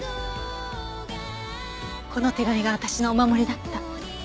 この手紙が私のお守りだった。